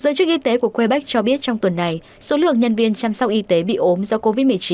giới chức y tế của quebec cho biết trong tuần này số lượng nhân viên chăm sóc y tế bị ốm do covid một mươi chín